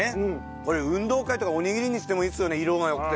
これ運動会とかおにぎりにしてもいいですよね色がよくて。